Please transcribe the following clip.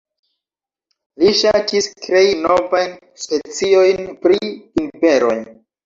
Li ŝatis krei novajn speciojn pri vinberoj.